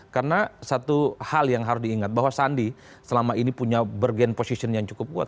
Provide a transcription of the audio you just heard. karena satu hal yang harus diingat bahwa sandi selama ini punya bergen posisinya yang cukup kuat